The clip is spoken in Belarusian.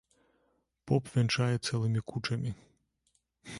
Поп вянчае цэлымі кучамі.